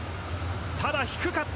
ただ低かった。